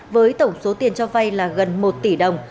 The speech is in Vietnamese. với tổng số tiền cho vay là gần một tỷ đồng